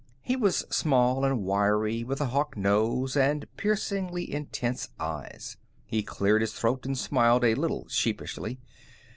He was small and wiry, with a hawk nose and piercingly intense eyes. He cleared his throat and smiled a little sheepishly.